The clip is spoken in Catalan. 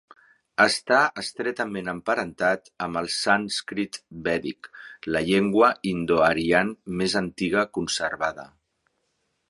Està estretament emparentat amb el sànscrit vèdic, la llengua Indo-Aryan més antiga conservada.